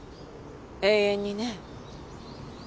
永遠にね。